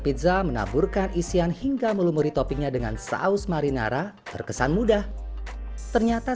pizza menaburkan isian hingga melumuri toppingnya dengan saus marinara terkesan mudah ternyata